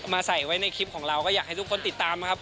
ใส่ไว้ในคลิปของเราก็อยากให้ทุกคนติดตามครับ